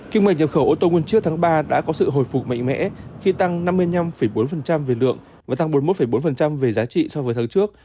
kinh mệnh nhập khẩu ô tô nguyên chiếc tháng ba đã có sự hồi phục mạnh mẽ khi tăng năm mươi năm bốn về lượng và tăng bốn mươi một bốn về giá trị so với tháng trước